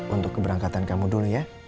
untuk keberangkatan kamu dulu ya